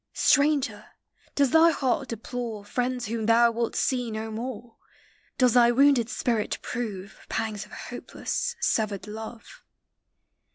Stranger, does thy hearl deplore Friends whom thou wilt see no more? Does thy wounded spiril prove Pangs of hopeless, severed love? V — A 18 POEMS OF NATURE.